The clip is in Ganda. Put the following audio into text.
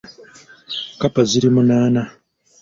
Kkapa ziri munaana .